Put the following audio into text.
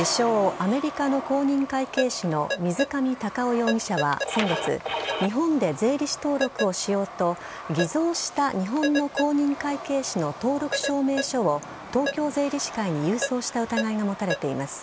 アメリカの公認会計士の水上タカオ容疑者は先月日本で税理士登録をしようと偽造した日本の公認会計士の登録証明書を東京税理士会に郵送した疑いが持たれています。